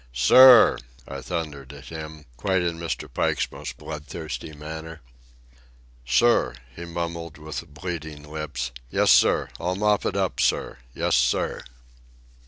"Sir!" I thundered at him, quite in Mr. Pike's most bloodthirsty manner. "Sir," he mumbled with bleeding lips. "Yes, sir, I'll mop it up, sir. Yes, sir."